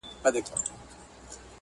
زما د فكر د ائينې شاعره ~